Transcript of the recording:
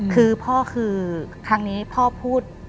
คือพ่อคือครั้งนี้พ่อพูด